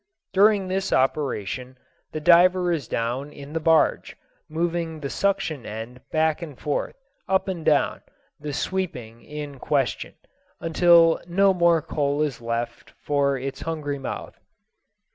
During this operation the diver is down in the barge, moving the suction end back and forth, up and down the "sweeping" in question until no more coal is left for its hungry mouth.